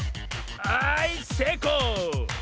はいせいこう！